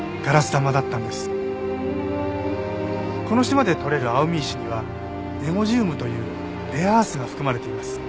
この島で採れる蒼海石にはネゴジウムというレアアースが含まれています。